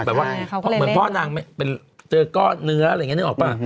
แบบว่าเหมือนพ่อนางเจอก้อนเนื้ออะไรอย่างนี้นึกออกป่ะ